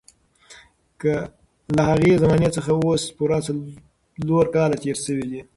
له هغې زمانې څخه اوس پوره څلور کاله تېر شوي دي.